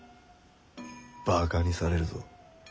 バカにされるぞ。